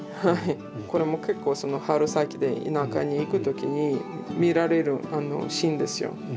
これも結構春先で田舎に行く時に見られるシーンですよ。